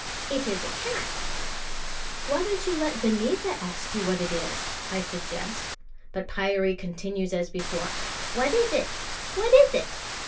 It is a cat." "Why don't you let Vineetha ask you what it is?" I suggest; but Pyârie continues as before: "What is it? What is it?"